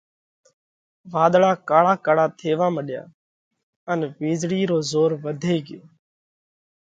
واۮۯا ڪاۯا ڪاۯا ٿيوا مڏيا ان وِيزۯِي رو زور وڌي ڳيو۔